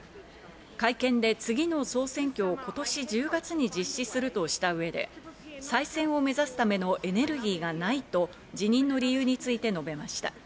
会見で次の総選挙を今年１０月に実施するとした上で、再選を目指すためのエネルギーがないと辞任の理由について述べました。